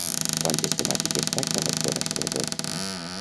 Quantes temàtiques tracta l'autora sobretot?